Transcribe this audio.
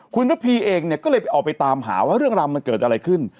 คุณระพีเองเนี่ยก็เลยไปออกไปตามหาว่าเรื่องราวมันเกิดอะไรขึ้น